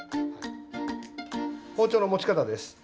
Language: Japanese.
包丁の持ち方です。